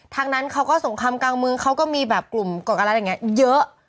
นั้นเขาก็สงครามกลางมือเขาก็มีแบบกลุ่มกดการรัฐอย่างนี้เยอะ